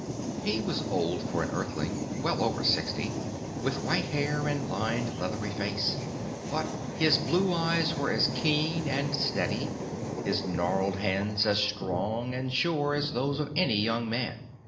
He was old for an Earthling, well over sixty, with white hair and lined leathery face. But his blue eyes were as keen and steady, his gnarled hands as strong and sure as those of any young man.